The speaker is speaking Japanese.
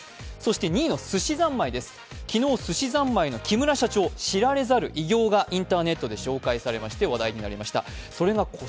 ２位のすしざんまい、昨日、木村社長の知られざる偉業がインターネットで紹介されまして話題になりました。